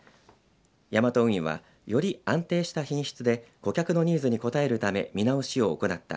ヤマト運輸はより安定した品質で顧客のニーズに応えるため見直しを行った。